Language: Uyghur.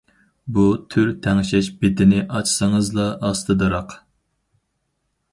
بۇ تۈر تەڭشەش بېتىنى ئاچسىڭىزلا ئاستىدىراق.